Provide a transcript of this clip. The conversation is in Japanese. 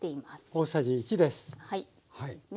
大さじ１です。